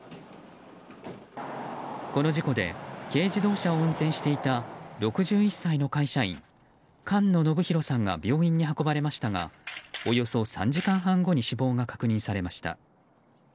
この事故で軽自動車を運転していた６１歳の会社員菅野進宏さんが病院に運ばれましたがおよそ３時間半後に死亡が確認されました。